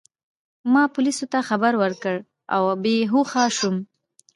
ما پولیسو ته خبر ورکړ او بې هوښه شوم.